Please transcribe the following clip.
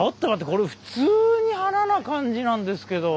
これ普通に花な感じなんですけど。